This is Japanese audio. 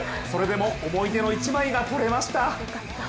それでも思い出の一枚が撮れました。